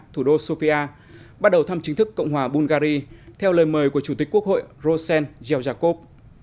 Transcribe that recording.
thủ đô sofia bắt đầu thăm chính thức cộng hòa bungary theo lời mời của chủ tịch quốc hội rosen yojakov